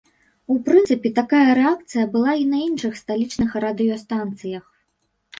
У прынцыпе, такая рэакцыя была і на іншых сталічных радыёстанцыях.